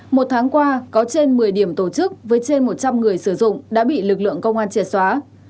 một tháng qua có trên một mươi điểm tổ chức với trên một trăm linh người sử dụng đã bị lực lượng công an triệt xóa